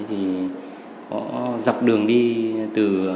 thì họ dọc đường đi từ đó